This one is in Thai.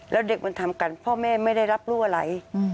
แล้วเด็กมันทำกันพ่อแม่ไม่ได้รับรู้อะไร